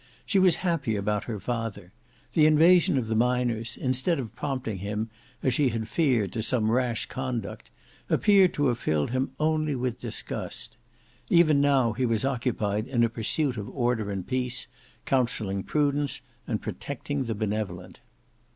She was happy about her father. The invasion of the miners, instead of prompting him as she had feared to some rash conduct, appeared to have filled him only with disgust. Even now he was occupied in a pursuit of order and peace, counselling prudence and protecting the benevolent.